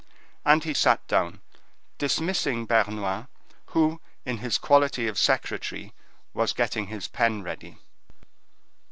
And he sat down, dismissing Bernouin, who, in his quality of secretary, was getting his pen ready.